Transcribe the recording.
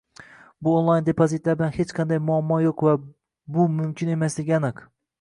Bu onlayn depozitlar bilan hech qanday muammo yo'q va bu mumkin emasligi aniq